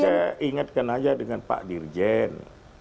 tapi saya ingatkan saja dengan pak dirjen